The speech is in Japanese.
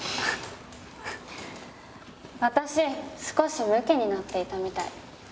私少しムキになっていたみたい。